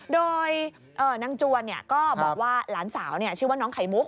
โดยนางจวนก็บอกว่าหลานสาวชื่อว่าน้องไขมุก